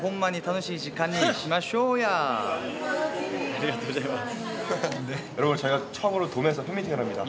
ありがとうございます。